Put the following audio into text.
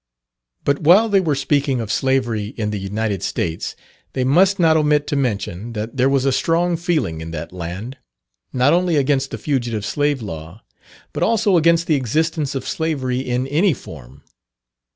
But while they were speaking of slavery in the United States, they must not omit to mention that there was a strong feeling in that land, not only against the Fugitive Slave Law, but also against the existence of slavery in any form.